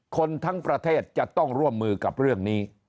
คนทั้งประเทศจะต้องร่วมมือกับเรื่องนี้